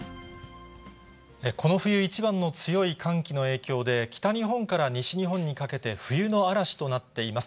この冬一番の強い寒気の影響で、北日本から西日本にかけて冬の嵐となっています。